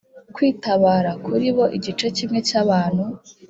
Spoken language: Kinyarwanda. kwitabara. kuri bo igice kimwe cy’abantu